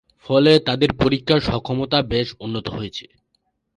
ফলে তাদের পরীক্ষার সক্ষমতা বেশ উন্নত হয়েছে।